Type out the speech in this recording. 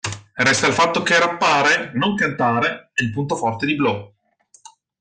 Resta il fatto che rappare, non cantare, è il punto forte di Blow.